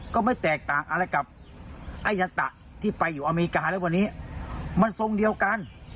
ก็ไม่แตกต่างอะไรกับอายะตะที่ไปอยู่อเมริกาแล้ววันนี้มันทรงเดียวกัน